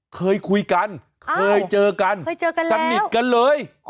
เคยคุยกันเคยเจอกันสนิทกันเลย